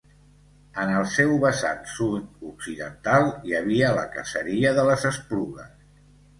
En el seu vessant sud-occidental hi havia la caseria de les Esplugues.